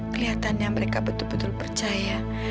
kelihatannya mereka betul betul percaya